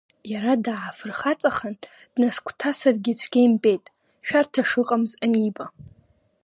Иара даафырхаҵахан, днасыгәҭасыргьы цәгьа имбеит, шәарҭа шыҟамз аниба.